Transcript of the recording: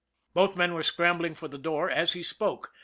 Both men were scrambling for the door as he spoke.